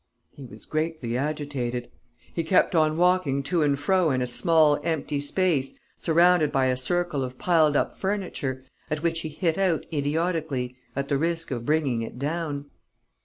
He was greatly agitated. He kept on walking to and fro in a small empty space surrounded by a circle of piled up furniture, at which he hit out idiotically, at the risk of bringing it down.